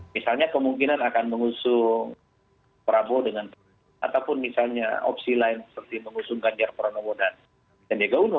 misalnya kemungkinan akan mengusung prabowo dengan ataupun misalnya opsi lain seperti mengusung ganjar pranowo dan sendega uno